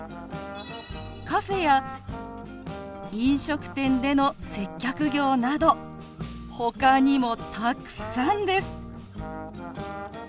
「カフェや飲食店での接客業」などほかにもたくさんです。